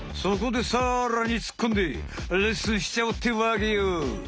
そこでさらにつっこんでレッスンしちゃおうってわけよ！